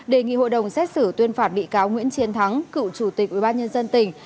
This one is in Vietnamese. đề nghị hội đồng xét xử tuyên phạt bị cáo nguyễn chiến thắng cựu chủ tịch ubnd tỉnh